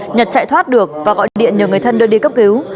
nhật chạy thoát được và gọi điện nhờ người thân đưa đi cấp cứu